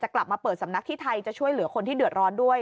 กลับมาเปิดสำนักที่ไทยจะช่วยเหลือคนที่เดือดร้อนด้วย